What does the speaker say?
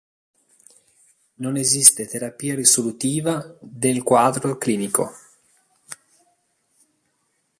Non esiste terapia risolutiva del quadro clinico.